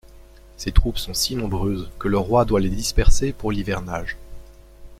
Ses troupes sont si nombreuses que le roi doit les disperser pour l'hivernage.